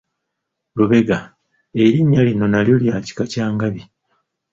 Lubega, erinnya lino nalyo lya kika kya Ngabi.